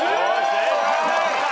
正解。